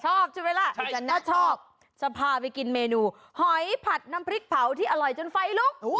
ชอบใช่ไหมล่ะถ้าชอบจะพาไปกินเมนูหอยผัดน้ำพริกเผาที่อร่อยจนไฟลุก